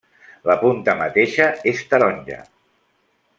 La punta mateixa és taronja.